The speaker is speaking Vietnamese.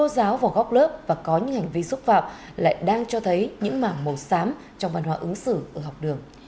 giáo vào góc lớp và có những hành vi xúc phạm lại đang cho thấy những mảng màu xám trong văn hóa ứng xử ở học đường